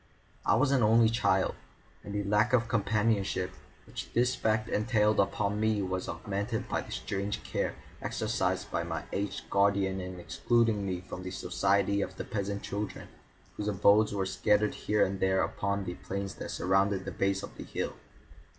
I was an only child, and the lack of companionship which this fact entailed upon me was augmented by the strange care exercised by my aged guardian in excluding me from the society of the peasant children whose abodes were scattered here and there upon the plains that surround the base of the hill.